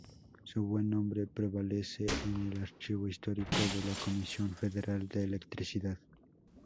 Su buen nombre prevalece en el Archivo Histórico de la Comisión Federal de Electricidad.